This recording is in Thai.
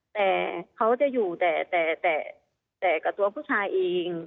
แต่เขาจะอยู่แต่กับตัวผู้ชายเอง